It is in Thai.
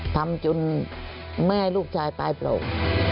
ทำจนไม่ให้ลูกชายปลายโปร่ง